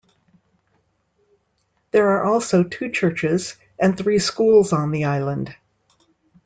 There are also two churches and three schools on the island.